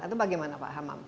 atau bagaimana pak hamam